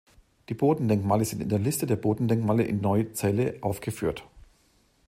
Die Bodendenkmale sind in der Liste der Bodendenkmale in Neuzelle aufgeführt.